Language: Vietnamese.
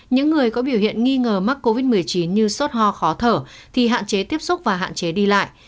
những người có biểu hiện nghi ngờ mắc covid một mươi chín như sốt ho khó thở thì hạn chế tiếp xúc và hạn chế đi lại